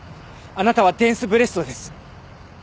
あなたはデンスブレストです。